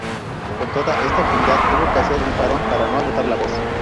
Con toda esta actividad tuvo que hacer un parón para no agotar la voz.